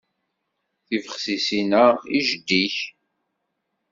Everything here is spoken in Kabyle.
Tibexsisin-a i jeddi-k.